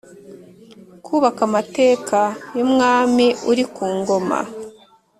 kubaka amateka y’umwami uri ku ngoma.